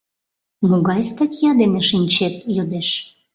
— Могай статья дене шинчет? — йодеш.